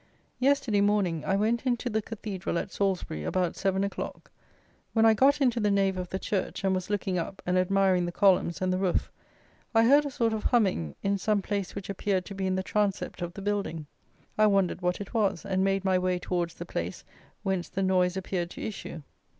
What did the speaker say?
Yesterday morning I went into the Cathedral at Salisbury about 7 o'clock. When I got into the nave of the church, and was looking up and admiring the columns and the roof, I heard a sort of humming, in some place which appeared to be in the transept of the building. I wondered what it was, and made my way towards the place whence the noise appeared to issue.